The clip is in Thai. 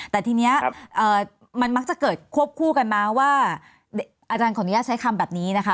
แต่ทีนี้มันมักจะเกิดควบคู่กันมาว่าอาจารย์ขออนุญาตใช้คำแบบนี้นะคะ